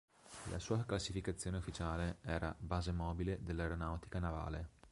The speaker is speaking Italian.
La sua classificazione ufficiale era "Base Mobile dell'Aeronautica Navale".